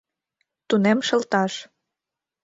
Тунем шылташ